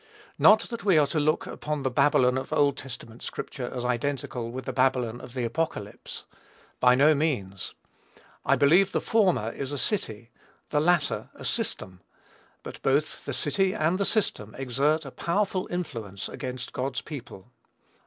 Not that we are to look upon the Babylon of Old Testament scripture as identical with the Babylon of the Apocalypse. By no means. I believe the former is a city; the latter, a system; but both the city and the system exert a powerful influence against God's people.